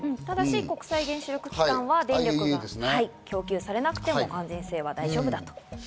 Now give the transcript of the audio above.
ただし国際原子力機関は供給されなくても安全性は大丈夫だと。